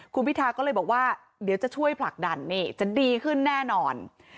คุณพิทาก็เลยบอกว่าเดี๋ยวจะช่วยผลักดันนี่จะดีขึ้นแน่นอน